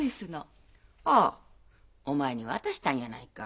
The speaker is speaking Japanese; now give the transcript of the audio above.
ああお前に渡したんやないか。